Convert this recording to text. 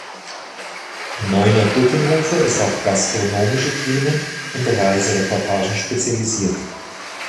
Neuner-Duttenhofer ist auf gastronomische Themen und Reisereportagen spezialisiert.